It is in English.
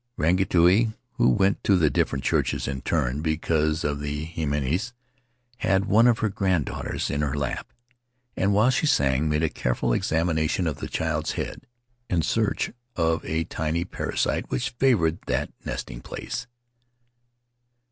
Rangi tuki, who went to the different churches in turn, because of the himines, had one of her granddaughters in her lap, and while she sang made a careful examina tion of the child's head, in search of a tiny parasite which favored that nesting place.